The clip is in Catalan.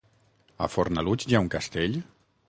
A Fornalutx hi ha un castell?